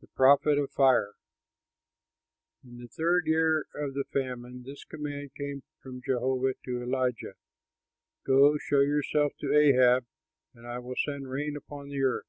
THE PROPHET OF FIRE In the third year of the famine this command came from Jehovah to Elijah: "Go, show yourself to Ahab; and I will send rain upon the earth."